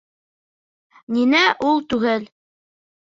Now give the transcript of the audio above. Ниңә ул түгел?!.